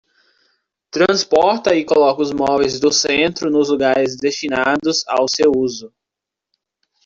Transporta e coloca os móveis do centro nos lugares destinados ao seu uso.